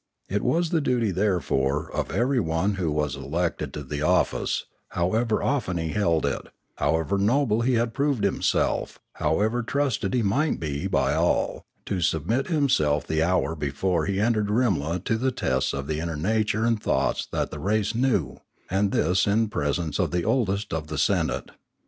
It was the duty, therefore, of everyone who was elected to the office, however often he had held it, however noble he had proved himself, however trusted he might be by all, to submit himself the hour before he entered Rimla to the tests of the inner nature and thoughts that the race knew, and this in presence of the oldest of the senate.